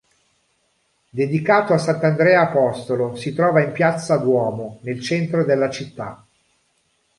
Dedicato a sant'Andrea apostolo, si trova in piazza Duomo, nel centro della città.